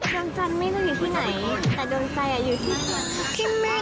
จันจันไม่ต้องอยู่ที่ไหนแต่ดนตรายอยู่ที่นั่น